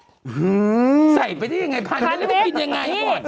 หือใส่ไปได้อย่างไรพันเมตรแล้วก็กินอย่างไร